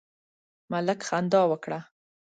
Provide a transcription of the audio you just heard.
ملک خندا وکړه.